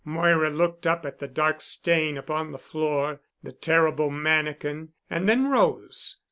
Moira looked up at the dark stain upon the floor, the terrible mannikin, and then rose.